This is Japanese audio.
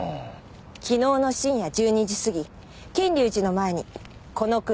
昨日の深夜１２時過ぎ賢隆寺の前にこの車止めましたよね？